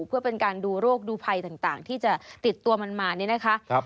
เพื่อเป็นการดูโรคดูภัยต่างที่จะติดตัวมันมานี่นะคะ